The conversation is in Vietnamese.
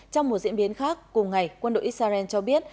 trong một diễn biến khác cùng ngày quân đội israel cho biết